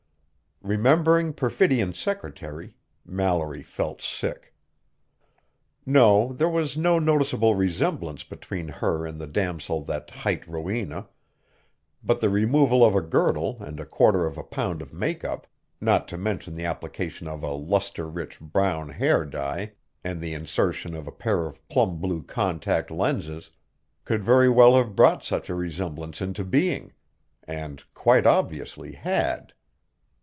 Remembering Perfidion's secretary, Mallory felt sick. No, there was no noticeable resemblance between her and the damosel that hight Rowena; but the removal of a girdle and a quarter of a pound of makeup, not to mention the application of a "lustre rich" brown hair dye and the insertion of a pair of plum blue contact lenses, could very well have brought such a resemblance into being and quite obviously had.